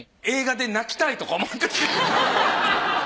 映画で泣きたいとか。